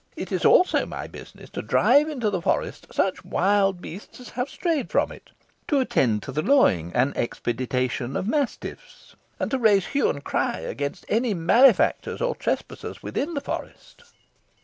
It is also my business to drive into the forest such wild beasts as have strayed from it; to attend to the lawing and expeditation of mastiffs; and to raise hue and cry against any malefactors or trespassers within the forest."